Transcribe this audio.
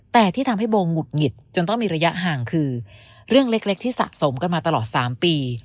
แต่ที่ทำให้โบหงุดหงิดจนต้องมีระยะห่างคือเรื่องเล็กที่สะสมกันมาตลอด๓ปี